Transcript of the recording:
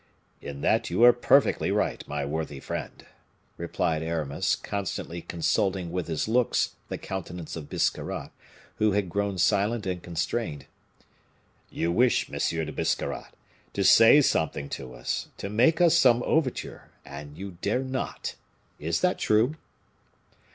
"In that you are perfectly right, my worthy friend," replied Aramis, constantly consulting with his looks the countenance of Biscarrat, who had grown silent and constrained. "You wish, Monsieur de Biscarrat, to say something to us, to make us some overture, and you dare not is that true?"